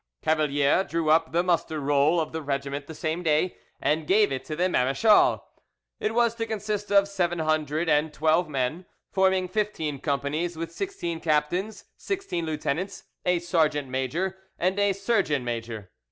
Cavalier drew up the muster roll of the regiment the same day, and gave it to the marechal. It was to consist of seven hundred and twelve men, forming fifteen companies, with sixteen captains, sixteen lieutenants, a sergeant major, and a surgeon major.